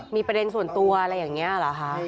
มีประเด็นส่วนตัวอะไรอย่างนี้เหรอคะ